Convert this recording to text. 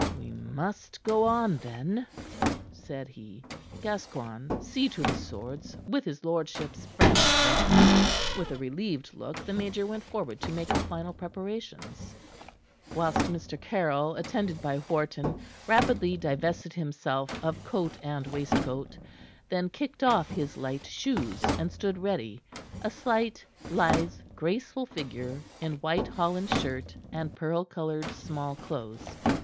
"We must go on, then," said he. "Gascoigne, see to the swords with his lordship's friend there." With a relieved look, the major went forward to make the final preparations, whilst Mr. Caryll, attended by Wharton, rapidly divested himself of coat and waistcoat, then kicked off his light shoes, and stood ready, a slight, lithe, graceful figure in white Holland shirt and pearl colored small clothes.